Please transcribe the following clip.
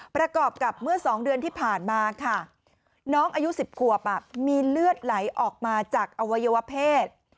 ประกอบกับเมื่อ๒เดือนที่ผ่านมาค่ะน้องอายุ๑๐ขวบมีเลือดไหลออกมาจากอวัยวเพศ